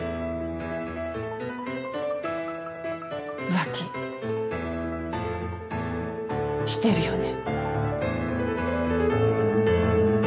浮気してるよね？